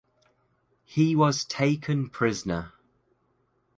He was taken prisoner.